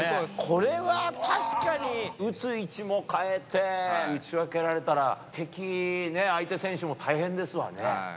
これは確かに、打つ位置も変えて打ち分けられたら、敵ね、相手選手も大変ですわね。